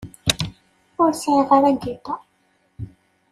Ur sɛiɣ ara agiṭar.